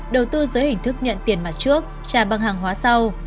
đầu tư dưới hình thức nhận tiền mặt trước trả bằng hàng hóa sau